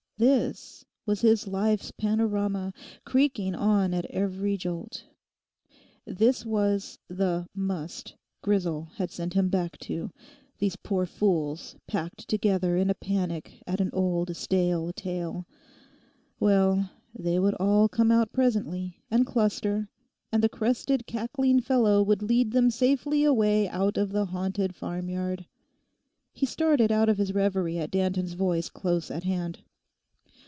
This was his life's panorama, creaking on at every jolt. This was the 'must' Grisel had sent him back to—these poor fools packed together in a panic at an old stale tale! Well, they would all come out presently, and cluster; and the crested, cackling fellow would lead them safely away out of the haunted farmyard. He started out of his reverie at Danton's voice close at hand.